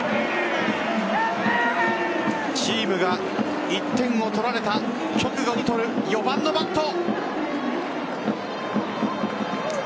チームが１点を取られた直後に取る４番のバット。